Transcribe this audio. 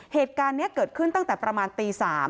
เหตุการณ์นี้เกิดขึ้นตั้งแต่ประมาณตี๓